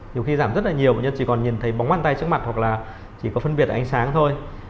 nhiều khi giảm rất là nhiều bệnh nhân chỉ còn nhìn thấy bóng bàn tay trước mặt hoặc là chỉ có phân biệt ánh sáng thôi